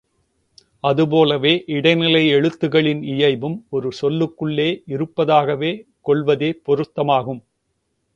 அதுபோலவே, இடைநிலை எழுத்துகளின் இயைபும் ஒரு சொல்லுக்குள்ளே இருப்பதாகவே கொள்வதே பொருத்தமாகும்.